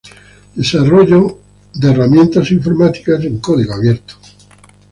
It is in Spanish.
Desarrollo de herramientas informáticas en código abierto.